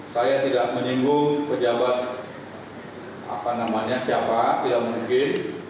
saya tidak menyinggung pejabat siapa tidak mungkin